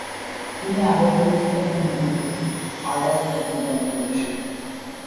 তিনি আরও পরিচিত হন গোটে, হার্ডার এবং জন পলের সাথে।